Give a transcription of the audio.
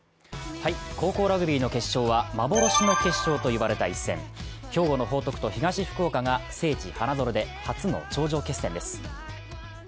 高校ラグビーの決勝は幻の決勝と言われた一戦、兵庫の報徳と東福岡が聖地・花園で初の頂上決戦です。